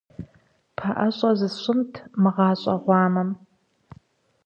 ПэӀэщӀэ зысщӀынщ мы гъащӀэ гъуамэм.